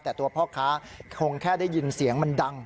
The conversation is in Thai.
แต่ตัวพ่อค้าคงแค่ได้ยินเสียงมันดัง